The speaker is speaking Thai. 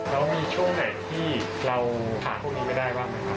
แล้วมีช่วงไหนที่เราหาพวกนี้ไม่ได้บ้างไหมครับ